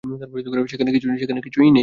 সেখানে কিছুই নেই।